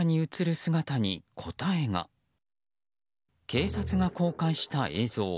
警察が公開した映像。